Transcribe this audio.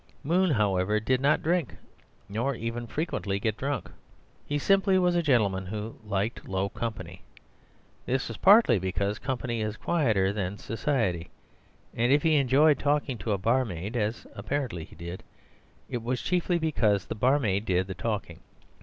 Moon, however, did not drink, nor even frequently get drunk; he simply was a gentleman who liked low company. This was partly because company is quieter than society: and if he enjoyed talking to a barmaid (as apparently he did), it was chiefly because the barmaid did the talking.